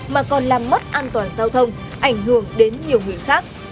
mà còn làm mất an toàn giao thông ảnh hưởng đến nhiều người khác